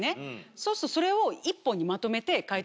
そうするとそれを。